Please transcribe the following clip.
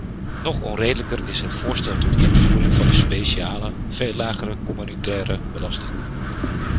Nog onredelijker is het voorstel tot invoering van een speciale, veel lagere communautaire belasting.